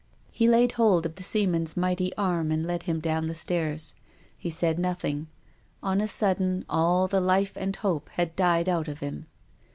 He laid hold of the seaman's mighty arm and led him down the stairs. He said nothing. On a sudden all the life and hope had died out of him.